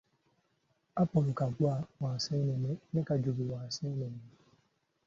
Apolo Kaggwa, wa Nseenene ne Kajubi wa Nseenene.